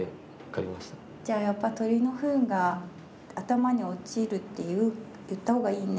じゃあやっぱ鳥のふんが頭に落ちるって言った方がいいね。